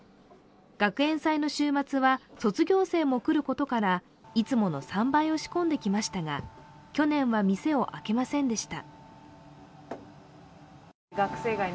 学園祭の週末は卒業生も来ることからいつもの３倍を仕込んできましたが、去年は店を開けませんでした。